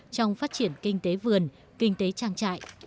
trong phát triển kinh tế vườn kinh tế trang trại